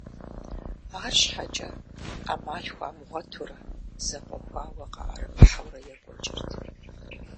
АрщхьэкӀэ Ӏэмал хуамыгъуэтурэ, зэкъуэхуауэ къаӀэрымыхьэурэ екӀуэкӀырт.